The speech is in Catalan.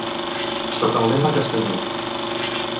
Sota el lema Castelló.